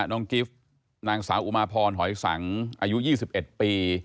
น้องกิฟต์นางสาวอุมาพรหอยสังอายุ๒๑ปี